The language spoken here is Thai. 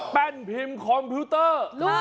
พิมพ์คอมพิวเตอร์